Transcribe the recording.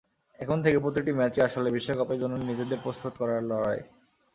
এখন থেকে প্রতিটি ম্যাচই আসলে বিশ্বকাপের জন্য নিজেদের প্রস্তুত করার লড়াই।